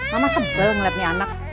mama sebel ngeliat nih anak